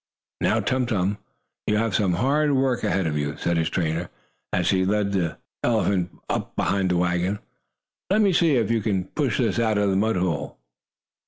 "Now, Tum Tum, you have some hard work ahead of you!" said his trainer, as he led the elephant up behind the wagon. "Let me see, if you can push this out of the mud hole."